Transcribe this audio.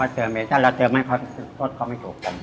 ถ้าเราเติมให้เขาทดเขาไม่ถูก